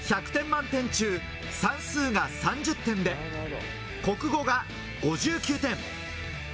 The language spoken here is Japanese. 満点中、算数が３０点で国語が５９点。